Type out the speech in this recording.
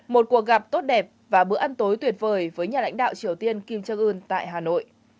một cuộc gặp tốt đẹp và bữa ăn tối tuyệt vời với nhà lãnh đạo triều tiên kim jong un tại hà nội